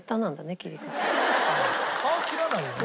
ああ切らないよね